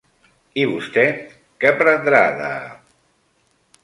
I vostè, què prendrà de...?